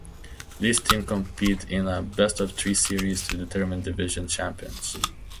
These teams compete in a best-of-three series to determine division champions.